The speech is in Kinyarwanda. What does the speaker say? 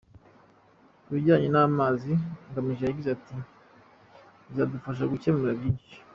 Ku bijyanye n’amazi, Ngamije yagize ati “bizadufasha gukemura byinshi.